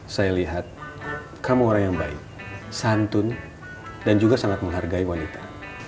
saya lihat kamu orang yang baik santun dan juga sangat menghargai wanita